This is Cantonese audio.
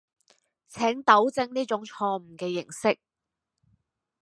請糾正呢種錯誤嘅認識